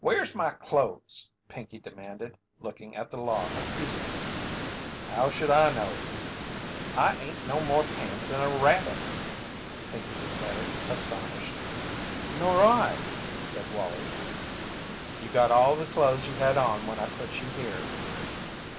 "Where's my clothes?" Pinkey demanded, looking at the Law accusingly. "How should I know?" "I ain't no more pants than a rabbit!" Pinkey declared, astonished. "Nor I!" said Wallie. "You got all the clothes you had on when I put you here."